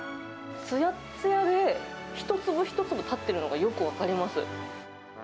つやつやで、一粒一粒立っているのがよく分かります。